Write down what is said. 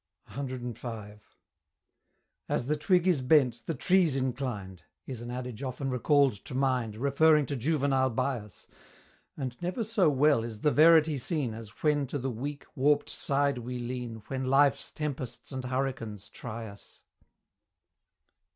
CV. "As the twig is bent, the tree's inclined," Is an adage often recall'd to mind, Referring to juvenile bias: And never so well is the verity seen, As when to the weak, warp'd side we lean, While Life's tempests and hurricanes try us.